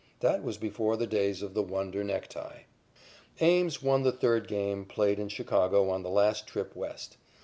That was before the days of the wonder necktie. Ames won the third game played in Chicago on the last trip West.